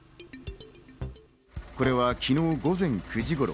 これは昨日午前９時頃。